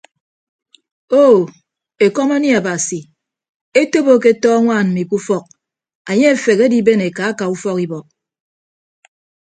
Oo ekọm anie abasi etop aketọ añwaan mmi ke ufọk anye afehe adiben eka aka ufọk ibọk.